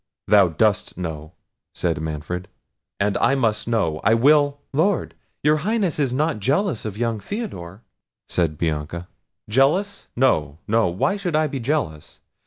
"Thou dost know," said Manfred; "and I must know; I will—" "Lord! your Highness is not jealous of young Theodore!" said Bianca. "Jealous! no, no. Why should I be jealous?